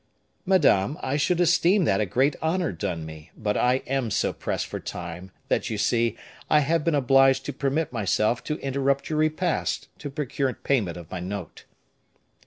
"Madame, I should esteem that a great honor done me, but I am so pressed for time, that, you see, I have been obliged to permit myself to interrupt your repast to procure payment of my note."